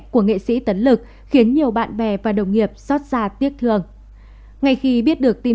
của nghệ sĩ tấn lực khiến nhiều bạn bè và đồng nghiệp xót ra tiếc thương ngay khi biết được tin